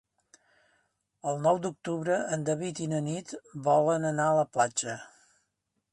El nou d'octubre en David i na Nit volen anar a la platja.